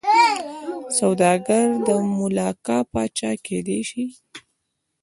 سوداګر د ملاکا پاچا کېدای شي.